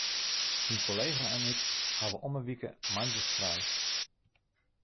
Myn kollega en ik hawwe om 'e wike moandeis frij.